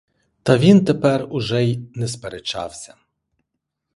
Та він тепер уже й не сперечався.